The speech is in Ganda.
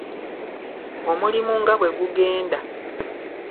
Omulimu nga bwe gugenda.